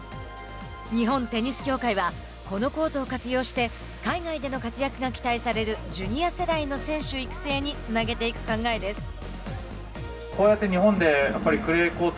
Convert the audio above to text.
日本テニス協会はこのコートを活用して海外での活躍が期待されるジュニア世代の選手育成につなげていく考えです。